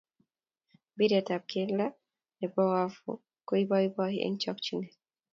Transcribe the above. Mpiret ab kelto ne bo Wavu ko iboiboi eng chokchinee.